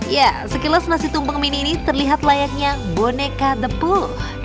ya sekilas nasi tumpeng mini ini terlihat layaknya boneka the pool